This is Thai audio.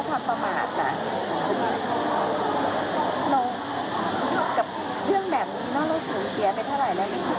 คุณก็จะเจอกับตัวเองไง